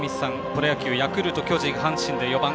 プロ野球ヤクルト、巨人、阪神で４番。